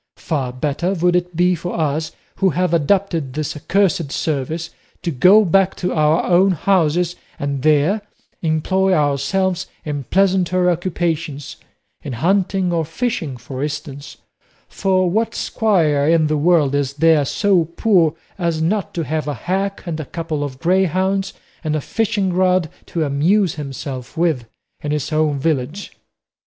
Far better would it be for us who have adopted this accursed service to go back to our own houses, and there employ ourselves in pleasanter occupations in hunting or fishing, for instance; for what squire in the world is there so poor as not to have a hack and a couple of greyhounds and a fishingrod to amuse himself with in his own village?"